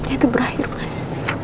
itu berakhir mas